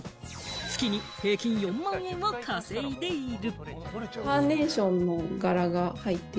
月に平均４万円を稼いでいる。